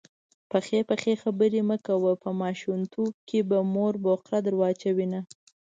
پخې پخې خبرې مه کړه_ په ماشومتوب به مور بورکه در واچوینه